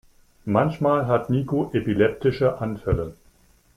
Manchmal hat Niko epileptische Anfälle.